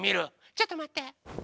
ちょっとまって。